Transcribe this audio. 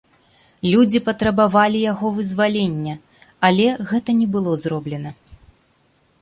Людзі патрабавалі яго вызвалення, але гэта не было зроблена.